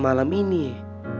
malam ini ya